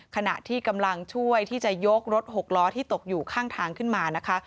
ขณะที่กำลังช่วยที่จะยกรถหกล้อที่ตกอยู่ข้างทางขึ้นมานะคะ